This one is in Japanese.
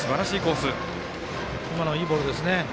今のはいいボールですね。